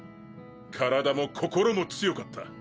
体も心も強かった。